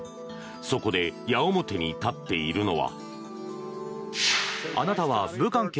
そこで矢面に立っているのは。